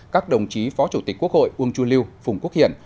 các đồng chí phó chủ tịch quốc hội uông chu liêu phùng quốc hiển